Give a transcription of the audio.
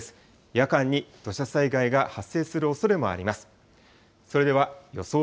夜間に土砂災害が発生するおそれもあります。